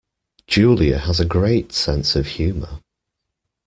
Julia has a great sense of humour